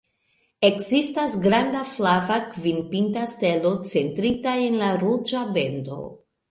Ekzistas granda flava, kvin-pinta stelo centrita en la ruĝa bendo.